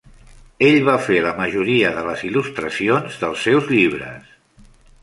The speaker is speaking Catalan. Ell va fer la majoria de les il·lustracions dels seus llibres.